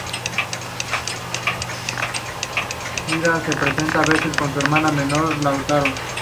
Hilda se presentaba a veces con su hermano menor Lautaro.